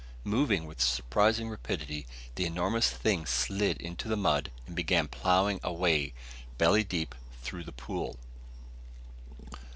Moving with surprising rapidity, the enormous thing slid into the mud and began ploughing a way, belly deep, toward the pool.